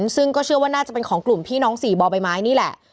ซึ่งก็เชื่อว่าน่าจะเป็นของกลุ่มพี่น้อง๔บ่อใบไม้นี่แหละ